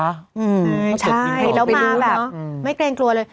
ใช่แล้วมาแบบไม่เกรงกลัวเลย